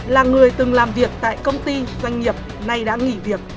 là người từng làm việc tại công ty doanh nghiệp nay đã nghỉ việc